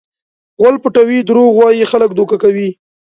غول پټوي؛ دروغ وایي؛ خلک دوکه کوي.